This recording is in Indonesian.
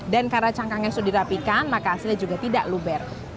dan karena cangkangnya sudah dirapikan maka hasilnya juga tidak luber